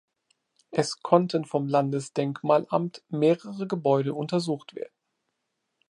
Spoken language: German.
Es konnten vom Landesdenkmalamt mehrere Gebäude untersucht werden.